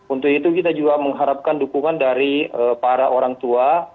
untuk itu kita juga mengharapkan dukungan dari para orang tua